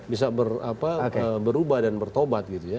bisa berubah dan bertobat gitu ya